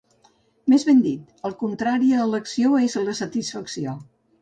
Més ben dit, el contrari a l'acció és la satisfacció.